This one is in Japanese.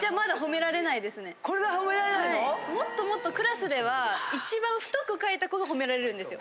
もっともっとクラスでは一番太く書いた子が褒められるんですよ。